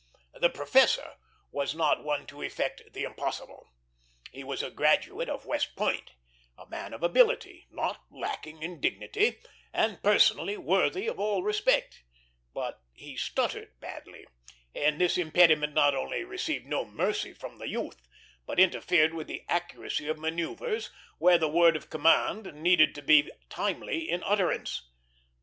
The professor was not one to effect the impossible. He was a graduate of West Point, a man of ability, not lacking in dignity, and personally worthy of all respect; but he stuttered badly, and this impediment not only received no mercy from youth, but interfered with the accuracy of manoeuvres where the word of command needed to be timely in utterance.